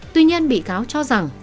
tuy nhiên bị cáo cho rằng